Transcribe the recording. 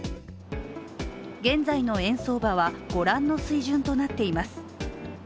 現在の円相場はご覧の水準となっています。